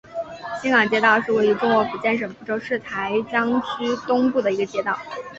新港街道是位于中国福建省福州市台江区东部的一个街道。